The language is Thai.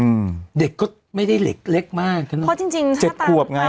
อืมเด็กก็ไม่ได้เล็กเล็กมากเนอะเพราะจริงจริงเจ็ดขวบไง